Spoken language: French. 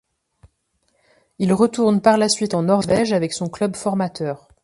Il retourne par la suite en Norvège avec son club formateur.